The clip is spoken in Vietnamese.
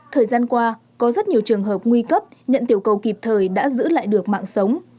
thời gian qua có rất nhiều trường hợp nguy cấp nhận tiểu cầu kịp thời đã giữ lại được mạng sống